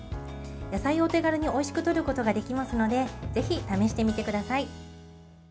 野菜を手軽においしくとることができますのでぜひ試してみてください。